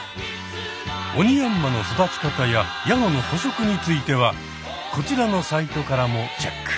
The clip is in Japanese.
オニヤンマの育ち方やヤゴの捕食についてはこちらのサイトからもチェック！